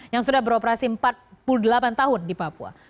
yang sudah beroperasi empat puluh delapan tahun di papua